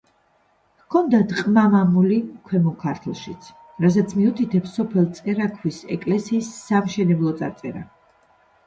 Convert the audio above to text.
ჰქონდათ ყმა-მამული ქვემო ქართლშიც, რაზეც მიუთითებს სოფელ წერაქვის ეკლესიის საამშენებლო წარწერა.